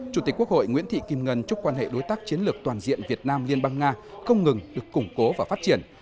chủ tịch quốc hội nguyễn thị kim ngân chúc quan hệ đối tác chiến lược toàn diện việt nam liên bang nga không ngừng được củng cố và phát triển